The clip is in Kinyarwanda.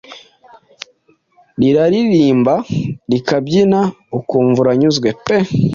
riraririmba, rikabyina ukumva uranyuzwe pe!